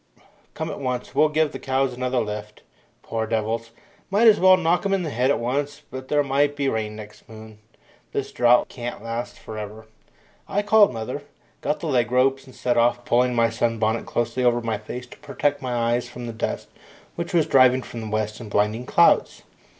Come at once; we'll give the cows another lift. Poor devils might as well knock 'em on the head at once, but there might be rain next moon. This drought can't last for ever." I called mother, got the leg ropes, and set off, pulling my sun bonnet closely over my face to protect my eyes from the dust which was driving from the west in blinding clouds.